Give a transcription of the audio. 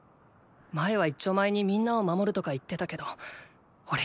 前は一丁前にみんなを守るとか言ってたけどおれ